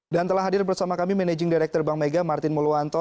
dan telah hadir bersama kami managing director bank mega martin muluanto